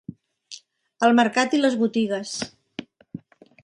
El mercat i les botigues